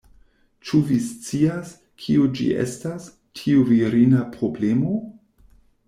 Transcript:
Ĉu vi scias, kio ĝi estas, tiu virina problemo?